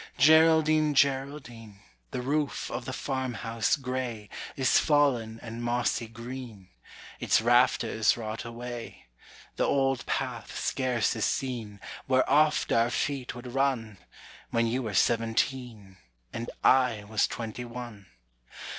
Geraldine, Geraldine, The roof of the farmhouse gray Is fallen and mossy green; Its rafters rot away: The old path scarce is seen Where oft our feet would run, When you were seventeen, And I was twenty one.